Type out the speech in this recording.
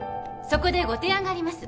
そこでご提案があります。